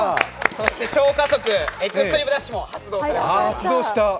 そして、超加速、エクストリームダッシュも発動しました。